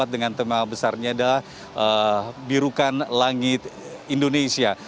dengan tema besarnya adalah birukan langit indonesia